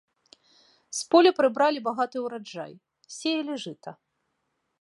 З поля прыбралі багаты ўраджай, сеялі жыта.